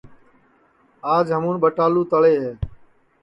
آج ہمون ٻٹالو تݪے ہے